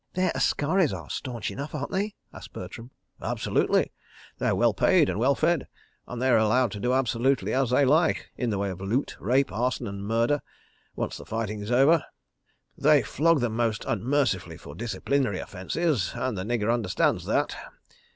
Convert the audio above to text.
..." "Their askaris are staunch enough, aren't they?" asked Bertram. "Absolutely. They are well paid and well fed, and they are allowed to do absolutely as they like in the way of loot, rape, arson and murder, once the fighting is over. ... They flog them most unmercifully for disciplinary offences—and the nigger understands that.